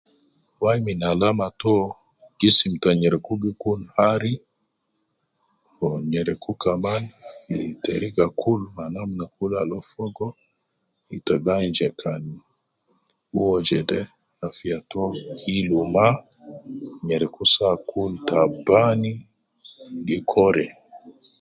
Wai min alama to ,gisim ta nyereku gi kun hari, wu nyereku kaman fi teriga kul ma namna kul uwo fogo, ita bi ayin je kan uwo jede afiya to hilu ma, nyereku saa kul tabani, gi kore